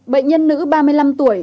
bệnh nhân nữ ba mươi năm tuổi